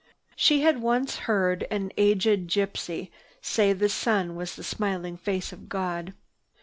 She had once heard an aged gypsy say the sun was the smiling face of God.